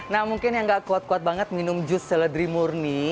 nah mungkin yang gak kuat kuat banget minum jus seledri murni